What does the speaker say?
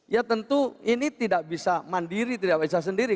ya tentu ini tidak bisa mandiri tidak bisa sendiri